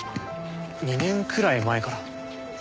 ２年くらい前から。